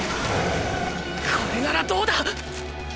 これならどうだ！